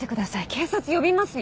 警察呼びますよ。